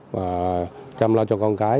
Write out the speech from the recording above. và chăm lo cho con cái